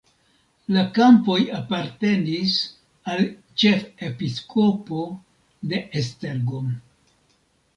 La kampoj apartenis al ĉefepiskopo de Esztergom.